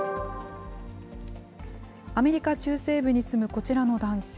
アメリカ中西部に住むこちらの男性。